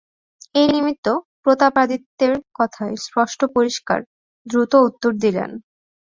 এই নিমিত্ত প্রতাপাদিত্যের কথা স্পষ্ট পরিষ্কার দ্রুত উত্তর দিলেন।